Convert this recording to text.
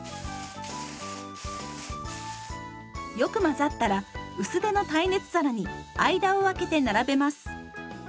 よく混ざったら薄手の耐熱皿に間をあけて並べます。